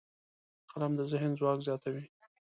قلم د ذهن ځواک زیاتوي